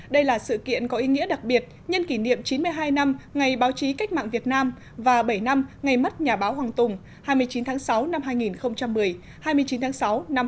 đây là sự kiện có ý nghĩa đặc biệt nhân kỷ niệm chín mươi hai năm ngày báo chí cách mạng việt nam và bảy năm ngày mất nhà báo hoàng tùng hai mươi chín tháng sáu năm hai nghìn một mươi hai mươi chín tháng sáu năm hai nghìn hai mươi